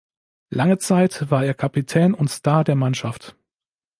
Lange Zeit war er Kapitän und Star der Mannschaft.